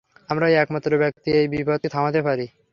আমরাই একমাত্র ব্যক্তি এই বিপদকে থামাতে পারি।